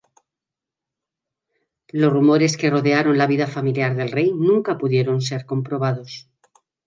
Los rumores que rodearon la vida familiar del rey nunca pudieron ser comprobados.